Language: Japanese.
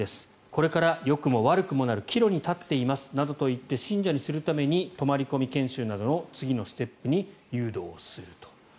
これからよくも悪くもなる岐路に立っていますなどと言って信者にするために泊まり込み研修などの次のステップに誘導すると。